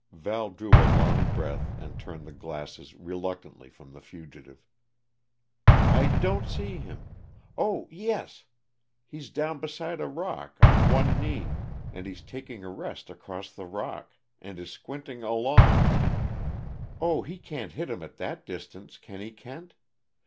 Val drew a long breath and turned the glasses reluctantly from the fugitive. "I don't see him oh, yes! He's down beside a rock, on one knee, and he's taking a rest across the rock, and is squinting along oh, he can't hit him at that distance, can he, Kent?